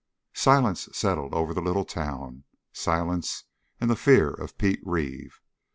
Silence settled over the little town silence and the fear of Pete Reeve.